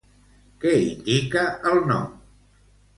Què indica el nom?